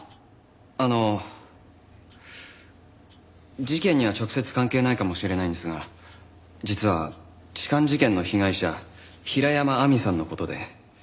あの事件には直接関係ないかもしれないんですが実は痴漢事件の被害者平山亜美さんの事で。